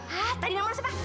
hah tadi namanya siapa